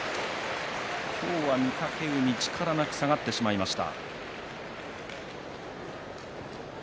今日は御嶽海、力なく下がってしまいました。